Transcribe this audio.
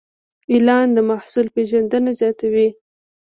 اعلان د محصول پیژندنه زیاتوي.